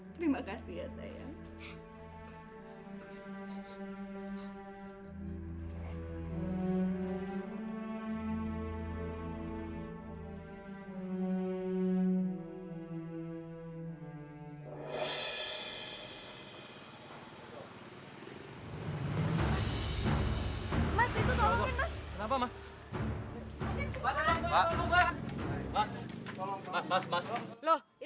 terima kasih ya sayang